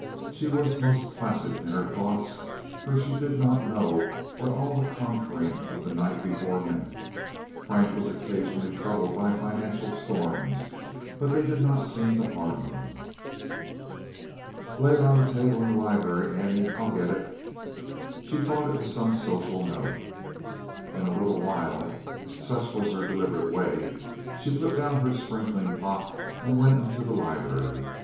She was most placid in her thoughts, for she did not know what all the conferring of the night before meant. Frank was occasionally troubled by financial storms, but they did not see to harm him. "Lay it on the table in the library, Annie. I'll get it." She thought it was some social note. In a little while (such was her deliberate way), she put down her sprinkling pot and went into the library.